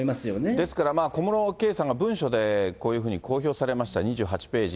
ですから小室圭さんが文書でこういうふうに公表されました、２８ページ。